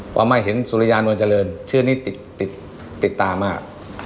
พอมาเห็นสุริยานวลเจริญชื่อนี้ติดตามาก